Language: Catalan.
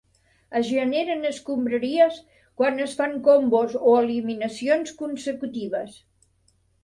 Es generen escombraries quan es fan combos o eliminacions consecutives.